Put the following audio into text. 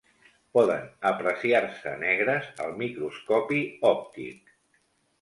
Poden apreciar-se negres al microscopi òptic.